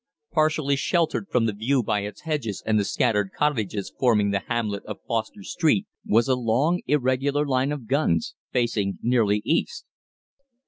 "Partially sheltered from the view by its hedges and the scattered cottages forming the hamlet of Foster Street was a long, irregular line of guns facing nearly east.